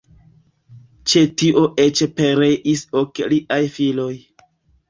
Ĉe tio eĉ pereis ok liaj filoj.